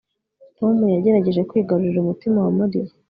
Tom yagerageje kwigarurira umutima wa Mariya